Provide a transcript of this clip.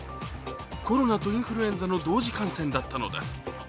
コロナとインフルエンザの同時感染だったのです。